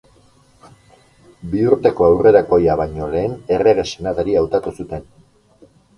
Biurteko Aurrerakoia baino lehen errege senatari hautatu zuten.